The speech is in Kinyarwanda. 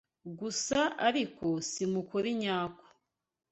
gusa ariko si mu kuri nyako